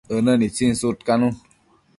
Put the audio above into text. ënë nitsin sudcanun